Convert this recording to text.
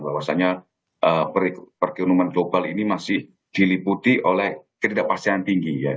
bahwasannya perekonomian global ini masih diliputi oleh ketidakpastian tinggi ya